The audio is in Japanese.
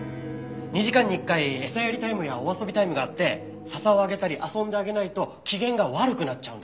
２時間に１回餌やりタイムやお遊びタイムがあって笹をあげたり遊んであげないと機嫌が悪くなっちゃうんだ。